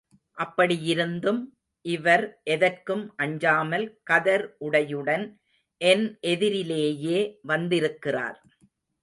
அப்படியிருந்தும், இவர் எதற்கும் அஞ்சாமல் கதர் உடையுடன் என் எதிரிலேயே வந்திருக்கிறார்.